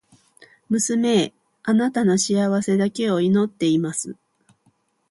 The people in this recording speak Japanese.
娘へ、貴女の幸せだけを祈っています。